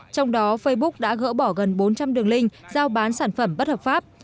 trong đó facebook đã gỡ bỏ gần bốn trăm linh đường link giao bán sản phẩm bất hợp pháp